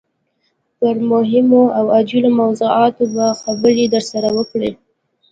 پر مهمو او عاجلو موضوعاتو به خبرې درسره وکړي.